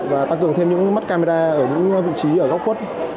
và tăng cường thêm những mắt camera ở những vị trí ở góc khuất